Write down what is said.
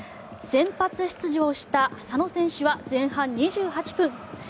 先発出場した浅野選手は前半２８分。